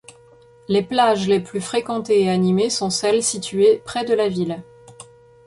Les plages les plus fréquentées et animées sont celles situées près de la ville.